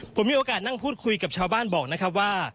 ผมมีโอกาสนั่งพูดคุยกับชาวบ้านบอกนะครับว่า